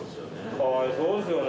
かわいそうですよね。